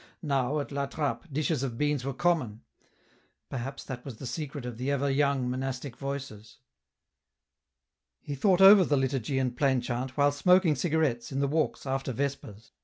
Now, at La Trappe, dishes of beans were common ; perhaps that was the secret of the ever young monastic voices. 268 EN ROUTE. He thought over the liturgy and plain chant while smoking cigarettes, in the walks, after Vespers.